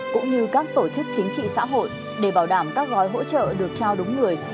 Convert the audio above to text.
cũng như các tổ chức chính trị xã hội để bảo đảm các gói hỗ trợ được trao đúng người